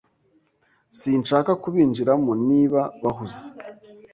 Sinshaka kubinjiramo niba bahuze.